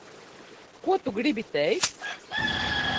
Ko tu gribi teikt?